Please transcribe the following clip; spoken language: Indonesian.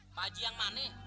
pak aji yang mana